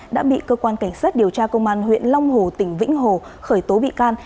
đã bị cơ quan cảnh sát điều tra công an huyện long hồ tỉnh vĩnh hồ khởi tố bị can